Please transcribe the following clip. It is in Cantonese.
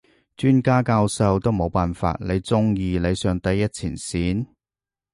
專家教授都冇辦法，你中意你上第一前線？